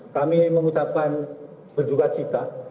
kami mengucapkan berjuga cita